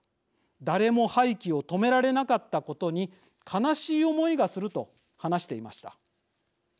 誰も廃棄を止められなかったことに悲しい思いがする」と話していました。